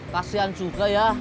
kasian juga ya